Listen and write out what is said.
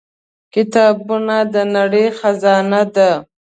• کتابونه د نړۍ خزانه ده.